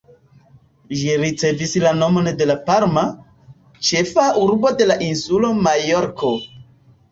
Ĝi ricevis la nomon de Palma, ĉefa urbo de la insulo Majorko.